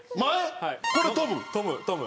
これトム？